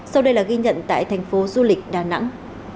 sau đây là ghi nhận tại thành phố du lịch đà nẵng